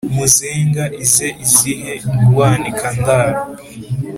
muzenga ize izihe rwanika ndaro,